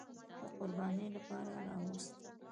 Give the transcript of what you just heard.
د قربانۍ لپاره راوست.